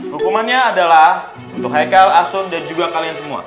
hukumannya adalah untuk haikal asun dan juga kalian semua